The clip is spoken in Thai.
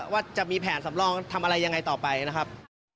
ว่าจะมีแผนสำรองทำอะไรยังไงต่อไปนะครับ